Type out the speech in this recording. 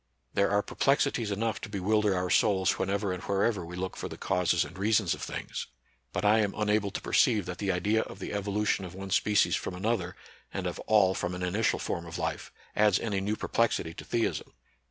There are perplexities enough to bewil der our souls whenever and wherever we look for the causes and reasons of things ; but I am imable to perceive that the idea of the evolu tion of one species from another, and of all from an initial form of life, adds any new perplexity to theism.